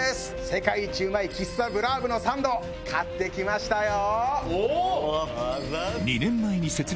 世界一うまい喫茶ブラーヴのサンド買って来ましたよ。